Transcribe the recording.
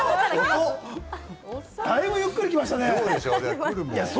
だいぶ、ゆっくり来ましたね。